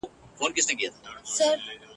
خدایه کله به یې واورم د بابا له مېني زېری ..